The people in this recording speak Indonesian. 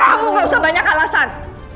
aku gak usah banyak alasan